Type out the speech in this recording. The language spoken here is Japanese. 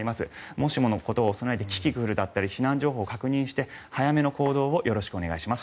もしものことに備えてキキクルだったり避難情報を確認して早めの行動をよろしくお願いします。